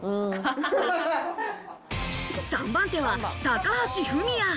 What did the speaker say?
３番手は高橋文哉。